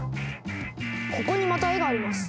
ここにまた絵があります！